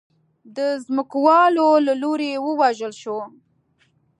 د ځمکوالو له لوري ووژل شو.